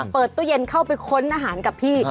เปิดตู้เย็นเข้าไปค้นอาหารกับพี่